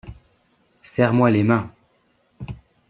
Serre-moi les mains !